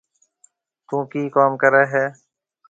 ٿُون ڪِي ڪوم ڪري هيَ۔